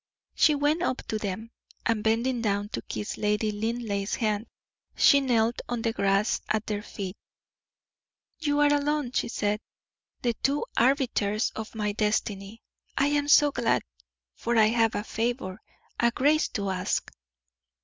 She went up to them, and bending down to kiss Lady Linleigh's hand, she knelt on the grass at their feet. "You are alone," she said, "the two arbiters of my destiny. I am so glad, for I have a favor a grace to ask."